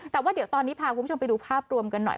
แต่ว่าเดี๋ยวตอนนี้พาคุณผู้ชมไปดูภาพรวมกันหน่อย